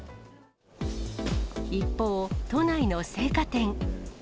一方、都内の青果店。